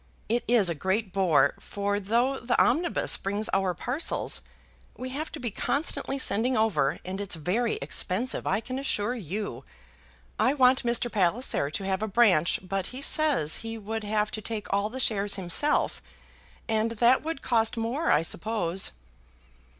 It is a great bore, for though the omnibus brings our parcels, we have to be constantly sending over, and it's very expensive, I can assure you. I want Mr. Palliser to have a branch, but he says he would have to take all the shares himself, and that would cost more, I suppose."